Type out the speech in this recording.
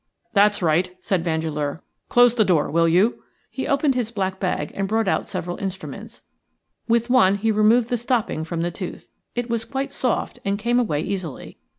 "That's right," said Vandeleur; "close the door, will you?" He opened his black bag and brought out several instruments. With one he removed the stopping from the tooth. It was quite soft and came away easily.